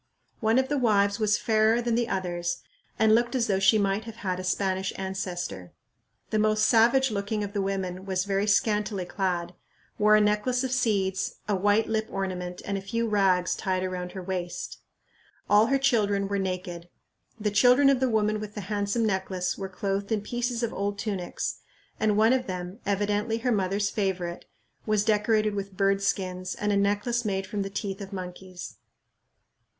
One of the wives was fairer than the others and looked as though she might have had a Spanish ancestor. The most savage looking of the women was very scantily clad, wore a necklace of seeds, a white lip ornament, and a few rags tied around her waist. All her children were naked. The children of the woman with the handsome necklace were clothed in pieces of old tunics, and one of them, evidently her mother's favorite, was decorated with bird skins and a necklace made from the teeth of monkeys.